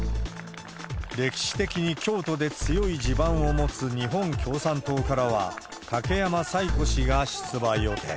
歴史的に京都で強い地盤を持つ日本共産党からは、武山彩子氏が出馬予定。